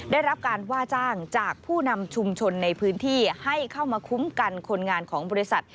ได้รับการว่าจ้างจากผู้นำชุมชนในพื้นที่ให้เข้ามาคุ้มกันคนงานของบริษัท